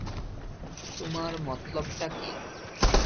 তোমার মতলবটা কী?